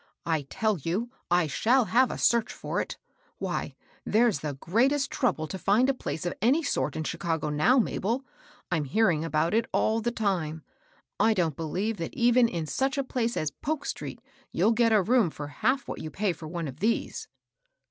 ''" I tell you I shall have a search for it I Why, there's the greatest trouble to find a place of any sort in Chicago now, Mabel ; I'm hearing about it all the time. I don't believe that even m soch a place as Folk street you'll get a room for half what you pay for one of these."